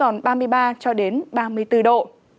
nắng nóng còn ba mươi ba ba mươi bốn độ